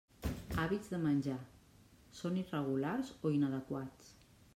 Hàbits de menjar: són irregulars o inadequats.